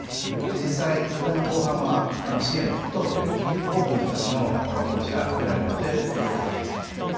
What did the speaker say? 実際、昨年の後半はシリアの北東部で多くの人たちの命がコレラによって脅かされました。